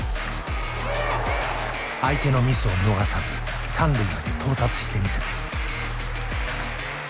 相手のミスを逃さず三塁まで到達してみせた。